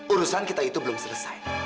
urusan kita itu belum selesai